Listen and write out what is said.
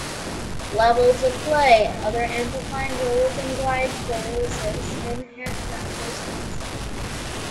Levels of play other amplifying roles in glycolysis in hepatocytes.